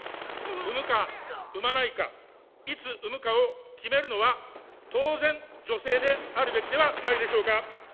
産むか産まないか、いつ産むかを決めるのは、当然、女性であるべきではないでしょうか。